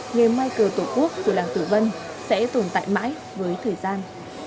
nghề may cờ tổ quốc của làng tử vân sẽ tồn tại mãi với thời gian